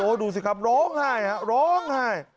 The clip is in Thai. โอ้ดูสิครับร้องไห้ครับร้องไห้